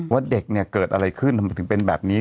ว่าเด็กเนี่ยเกิดอะไรขึ้นทำไมถึงเป็นแบบนี้